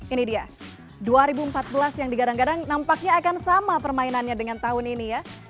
ini dia dua ribu empat belas yang digadang gadang nampaknya akan sama permainannya dengan tahun ini ya